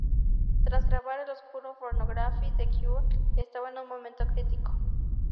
Tras grabar el oscuro Pornography, the Cure estaba en un momento crítico.